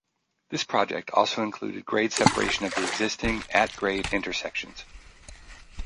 This project also included grade separation of the existing at-grade intersections.